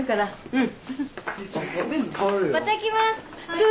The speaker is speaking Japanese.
うん。